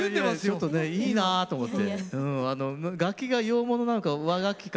ちょっとねいいなと思って。